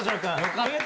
よかった。